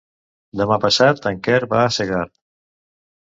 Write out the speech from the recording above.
Demà passat en Quer va a Segart.